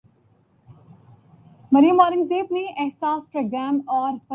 تعلیم اور جمہوریت تعلیم ہی سے شعور کی گرہیں